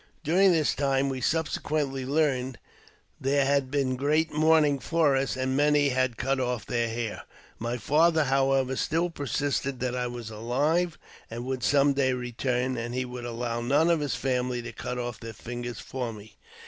During this time, we subsequently learned, there had been great mourning for us, and many had cut off their hair. My father, however, still persisted that I was alive, and would some day return, and he would allow none of his family to cut off their fingers for me.